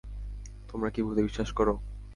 তোমরা কি ভূতে বিশ্বাস করো?